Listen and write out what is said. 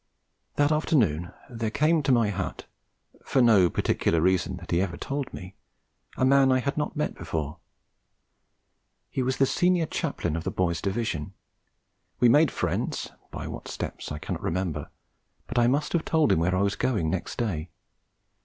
That afternoon there came to my hut, for no particular reason that he ever told me, a man I had not met before. He was the Senior Chaplain of the boy's Division. We made friends, by what steps I cannot remember, but I must have told him where I was going next day.